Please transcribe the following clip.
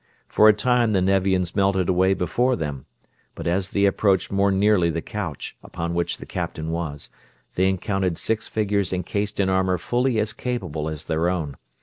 For a time the Nevians melted away before them, but as they approached more nearly the couch, upon which the captain was, they encountered six figures encased in armor fully as capable as their own.